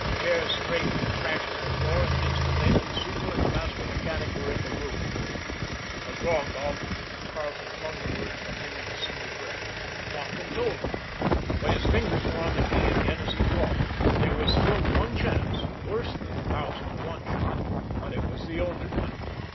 Chairs scraped and crashed to the floor, and an instant later the super and the master mechanic were in the room. "What's wrong, Bob?" Carleton flung the words from him in a single breath. Donkin told them. But his fingers were on the key again as he talked. There was still one chance, worse than the thousand to one shot; but it was the only one.